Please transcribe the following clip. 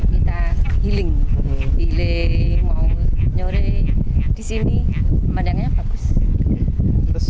kita healing healing mau nyore di sini pemandangannya bagus